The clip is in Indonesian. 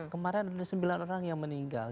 kemarin ada sembilan orang yang meninggal